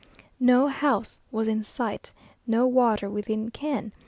No house was in sight no water within ken.